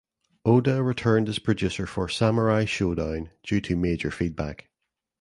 Oda returned as producer for "Samurai Showdown" due to major feedback.